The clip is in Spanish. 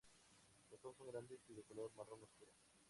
Los ojos son grandes y de color marrón oscuro.